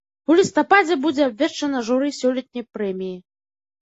У лістападзе будзе абвешчана журы сёлетняй прэміі.